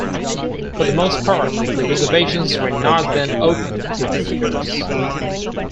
For the most part, the reservations were not then open to visitors.